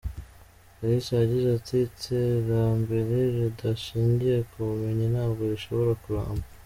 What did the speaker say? Kalisa yagize ati “Iterambere ridashingiye ku bumenyi ntabwo rishobora kuramba.